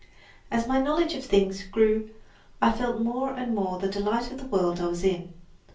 As my knowledge of things grew I felt more and more the delight of the world I was in.